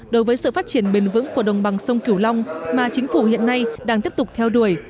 đối với sự phát triển bền vững của đồng bằng sông cửu long mà chính phủ hiện nay đang tiếp tục theo đuổi